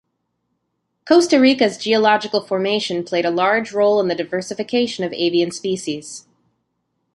Costa Rica's geological formation played a large role in the diversification of avian species.